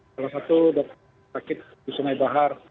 salah satu dokter sakit di sungai bahar